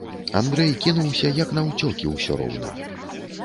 Андрэй кінуўся, як наўцёкі ўсё роўна.